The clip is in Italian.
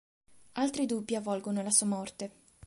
Altri dubbi avvolgono la sua morte.